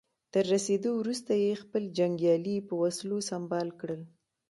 تر رسېدو وروسته يې خپل جنګيالي په وسلو سمبال کړل.